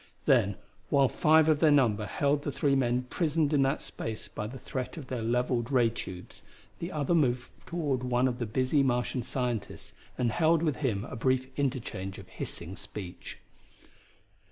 Then, while five of their number held the three men prisoned in that space by the threat of their levelled ray tubes, the other moved toward one of the busy Martian scientists and held with him a brief interchange of hissing speech.